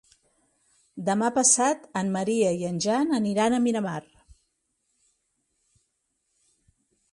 Demà passat en Maria i en Jan aniran a Miramar.